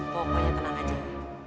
pokoknya tenang aja